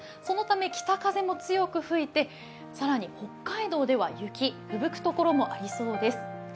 そのため北風も強く吹いて、更に北海道では雪、ふぶくところもありそうです。